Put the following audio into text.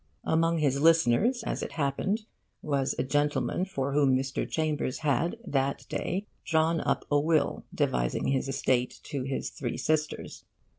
Among his listeners, as it happened, was a gentleman for whom Mr. Chambers had that day drawn up a will devising his estate to his three sisters.